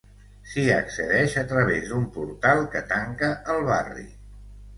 S'hi accedeix a través d'un portal que tanca el barri.